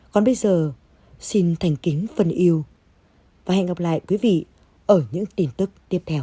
còn bây giờ xin thành kính phân yêu và hẹn gặp lại quý vị ở những tin tức tiếp theo